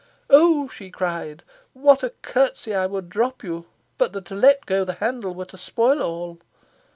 'Oh,' she cried, 'what a curtsey I would drop you, but that to let go the handle were to spoil all!